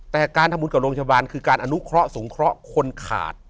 แต่การทำบุญกับโรงพยาบาลคือการอนุเคราะห์สงเคราะห์คนขาด